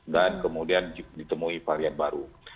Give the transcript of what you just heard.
dan kemudian ditemui varian baru